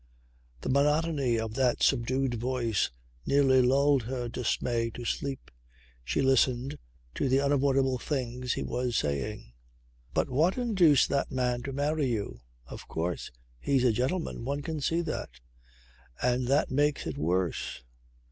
The monotony of that subdued voice nearly lulled her dismay to sleep. She listened to the unavoidable things he was saying. "But what induced that man to marry you? Of course he's a gentleman. One can see that. And that makes it worse.